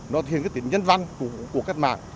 nó thiên kết tính nhân văn của cuộc cách mạng